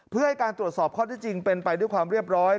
เพื่อให้การตรวจสอบข้อที่จริงเป็นไปด้วยความเรียบร้อย